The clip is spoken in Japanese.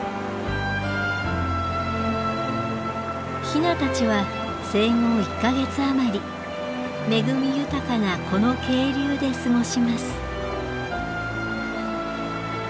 ヒナたちは生後１か月余り恵み豊かなこの渓流で過ごします。